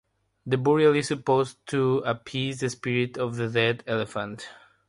The burial is supposed to appease the spirit of the dead elephant.